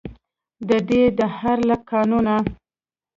ددې دهر له قانونه.